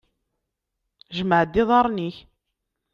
Jmeε-d iḍarren-ik!